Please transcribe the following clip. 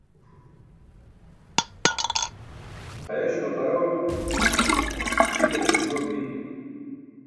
Ayaś lo qaraw buṭ, tikaṭar yuu api.